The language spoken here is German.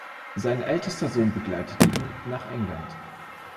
Sein älterer Sohn begleitete ihn nach England.